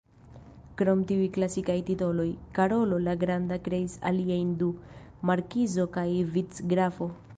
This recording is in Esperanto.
Krom tiuj "klasikaj" titoloj, Karolo la Granda kreis aliajn du: markizo kaj vicgrafo.